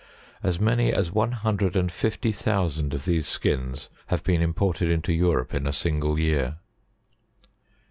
As many as one hundred and fifty thousand of these skins have been imported into Europe in a single year.